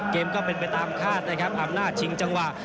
ก็เป็นไปตามคาดนะครับอำนาจชิงจังหวะ